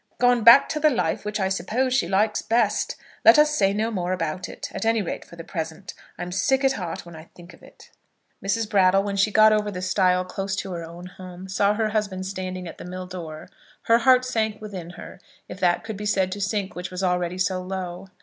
"Gone back to the life which I suppose she likes best. Let us say no more about it, at any rate for the present. I'm sick at heart when I think of it." Mrs. Brattle, when she got over the stile close to her own home, saw her husband standing at the mill door. Her heart sank within her, if that could be said to sink which was already so low.